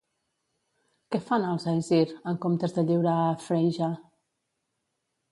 Què fan els Æsir en comptes de lliurar a Freyja?